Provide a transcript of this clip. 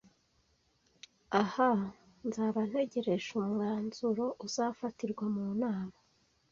Aha! Nzaba ntegereje umwanzuro uzafatirwa mu nama.